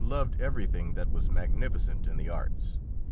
loved everything that was magnificent in the arts.